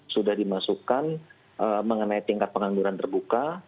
sudah dimasukkan mengenai tingkat pengangguran terbuka